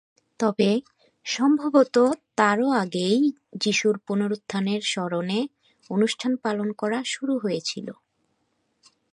তবে সম্ভবত তারও আগেই যিশুর পুনরুত্থানের স্মরণে অনুষ্ঠান পালন করা শুরু হয়েছিল।